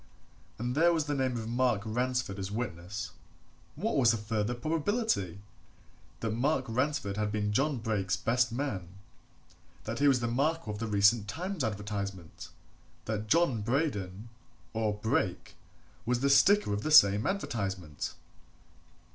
And there was the name of Mark Ransford as witness. What was the further probability? That Mark Ransford had been John Brake's best man; that he was the Marco of the recent Times advertisement; that John Braden, or Brake, was the Sticker of the same advertisement.